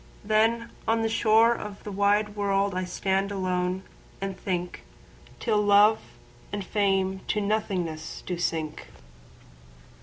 —then on the shoreOf the wide world I stand alone, and thinkTill Love and Fame to nothingness do sink.